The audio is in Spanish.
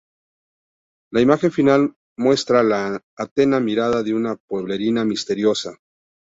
La imagen final muestra la atenta mirada de una pueblerina misteriosa.